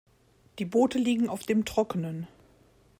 Die Boote liegen auf dem Trockenen.